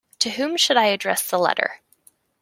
To whom should I address the letter?